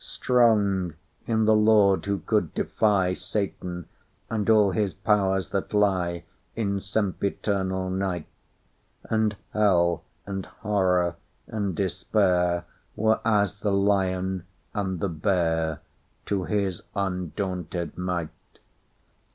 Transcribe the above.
Strong—in the Lord, who could defySatan, and all his powers that lieIn sempiternal night; And hell, and horror, and despairWere as the lion and the bearTo his undaunted might.